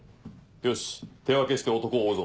よし手分けして男を追うぞ。